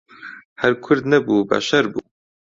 هەر کورد نەبوو بەشەر بوو